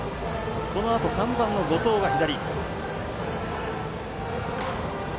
このあと３番の後藤が左。